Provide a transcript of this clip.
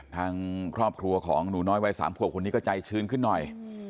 ทางครอบครัวของหนูน้อยวัย๓ขวบคนนี้ก็ใจชื้นขึ้นหน่อย